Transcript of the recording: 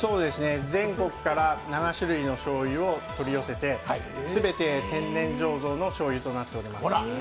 全国から７種類のしょうゆを取り寄せて全て天然醸造のしょうゆとなっております。